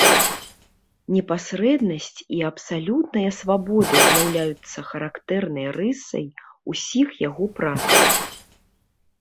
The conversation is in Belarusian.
Непасрэднасць і абсалютная свабода з'яўляюцца характэрнай рысай усіх яго прац.